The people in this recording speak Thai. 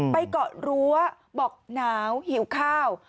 เกาะรั้วบอกหนาวหิวข้าว